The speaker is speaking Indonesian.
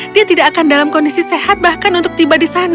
dia tidak akan dalam kondisi sehat bahkan untuk tiba di sana